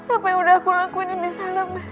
apa yang udah aku lakuin ini salah mas